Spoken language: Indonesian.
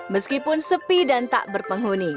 meskipun sepi dan tak berpenghuni